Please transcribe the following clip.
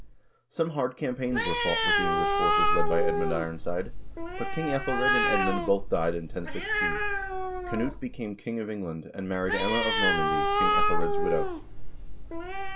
Some hard campaigns were fought with the English forces led by Edmund Ironside, but King iEthelred and Edmund both died in 1016. Knut became king of England, and married Emma of Normandy, King iEthelred's widow.